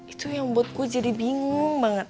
itu yang membuat gue jadi bingung banget